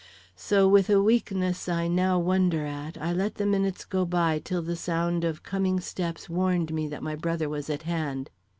So with a weakness I now wonder at, I let the minutes go by till the sound of coming steps warned me that my brother was at hand.